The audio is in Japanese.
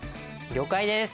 了解です。